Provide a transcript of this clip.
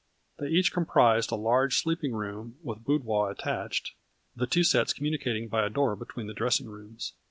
They each comprised a large sleeping room with boudoir attached, the two sets communicating by a door between the dressing rooms.